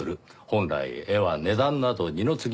本来絵は値段など二の次。